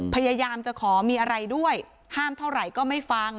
พยายามจะขอมีอะไรด้วยห้ามเท่าไหร่ก็ไม่ฟัง